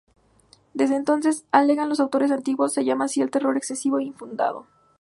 Desde entonces, alegan los autores antiguos, se llama así al terror excesivo e infundado.